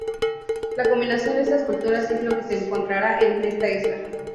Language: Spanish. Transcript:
La combinación de estas culturas es lo que se encontrará en esta isla.